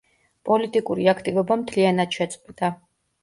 პოლიტიკური აქტივობა მთლიანად შეწყვიტა.